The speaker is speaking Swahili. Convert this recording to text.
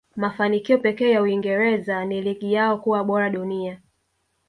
mafanikio pekee ya uingereza ni ligi yao kuwa bora dunia